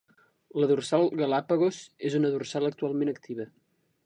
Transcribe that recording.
La dorsal Galápagos és una dorsal actualment activa.